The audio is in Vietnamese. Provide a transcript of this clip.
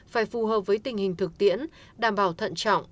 phải phù hợp với tình hình thực tiễn đảm bảo thận trọng